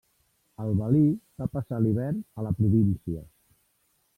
El valí va passar l'hivern a la província.